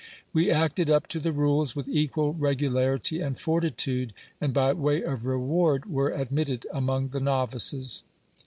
We acted up to the rules with equal regularity and fortitude, and, by way of reward, were admitted among the novices.